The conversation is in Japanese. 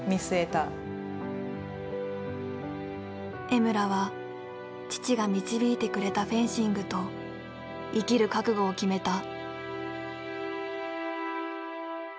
江村は父が導いてくれたフェンシングと生きる覚悟を決めた。